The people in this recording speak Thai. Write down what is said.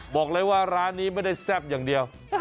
บอกเลยว่าร้านนี้ไม่ได้แซ่บอย่างเดียว